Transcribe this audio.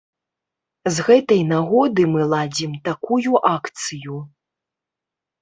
З гэтай нагоды мы ладзім такую акцыю.